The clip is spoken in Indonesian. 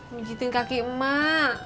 begiteng kaki mak